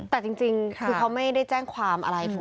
แต่จริงคือเขาไม่ได้แจ้งความอะไรถูก